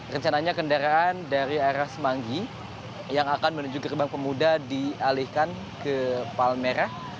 rencananya kendaraan dari arah semanggi yang akan menuju gerbang pemuda dialihkan ke palmerah